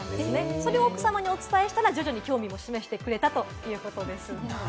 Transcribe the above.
それをお伝えしたら、徐々に興味も示してくれたということです。